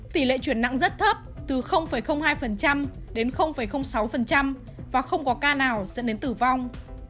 tỷ lệ chuyển nặng rất thấp từ hai đến sáu và không có ca nào dẫn đến tử vong